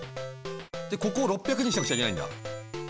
でここを６００にしなくちゃいけないんだ。